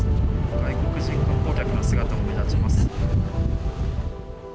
外国人観光客の姿が目立ちます。